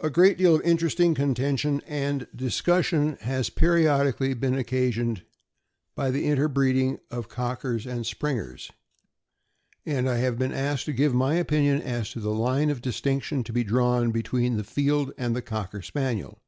A great deal of interesting contention and discussion has periodically been occasioned by the interbreeding of Cockers and Springers, and I have been asked to give my opinion as to the line of distinction to be drawn between the Field and the Cocker Spaniel.